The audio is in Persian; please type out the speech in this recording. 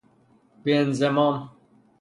به انضمام